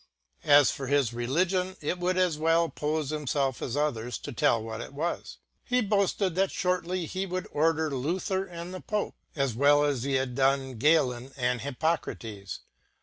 As for his religion, it would as well pofe himfelf as others to tell what it was. He boafted that {hordy he would order Luther and the Pope, as well as he had done Galen and Hi pocrates.